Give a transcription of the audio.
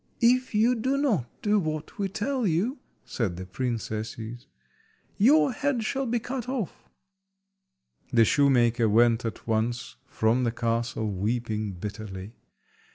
"If you do not do what we tell you," said the princesses, "your head shall be cut off." The shoemaker went at once from the castle, weeping bitterly.